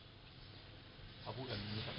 เขาพูดอย่างนี้ครับ